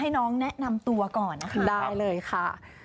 ให้น้องแนะนำตัวก่อนนะคะได้เลยค่ะ